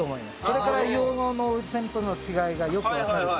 これから硫黄の温泉との違いがよく分かる。